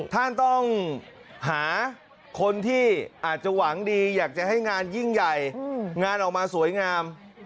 ท่านต้องหาคนที่อาจจะหวังดีอยากจะให้งานยิ่งใหญ่งานออกมาสวยงาม